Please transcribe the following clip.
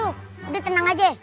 udah tenang aja